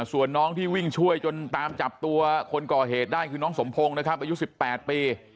ส่วนน้องที่วิ่งช่วยจนตามจับตัวคนก่อเหตุได้คือน้องสมพงศ์นะครับอายุ๑๘ปี